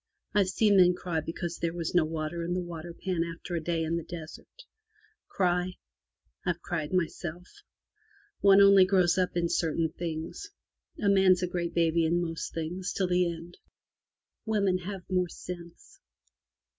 Fve seen men cry because there was no water in the waterpan after a day in the desert. Cry? Fve cried myself. One only grows up in certain things. A man's a great baby in most things till the end. Women have more sense.